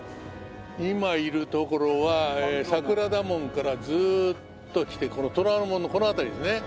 今いる所は桜田門からずーっと来てこの虎ノ門のこの辺りですね。